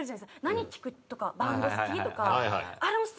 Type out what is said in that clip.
「何聴く？」とか「バンド好き？」とか。